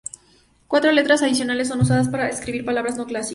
Cuatro letras adicionales son usadas para escribir palabras no clásicas.